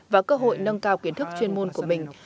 và cơ hội nâng cao kiến thức chuyên môn của mình